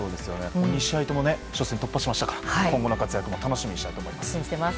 ２試合とも初戦突破しましたから今後の試合も楽しみにしたいと思います。